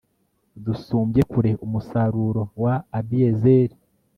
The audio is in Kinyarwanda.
dusumbye kure umusaruro wa abiyezeri